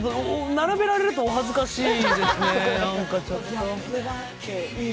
並べられるとお恥ずかしいですね。